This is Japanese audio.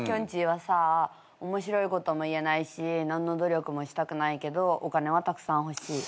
はさ面白いことも言えないし何の努力もしたくないけどお金はたくさん欲しい。